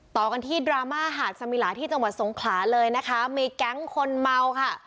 ต่อกันที่ดราม่าหาดสมิลาที่จังหวัดสงขลาเลยนะคะมีแก๊งคนเมาค่ะ